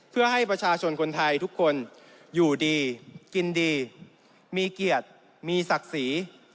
เพื่อให้ประชาชนคนไทยทุกคนอยู่ดีกินดีมีเกียรติมีศักดิ์ศรี